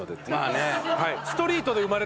まあね。